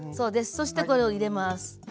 そしてこれを入れます。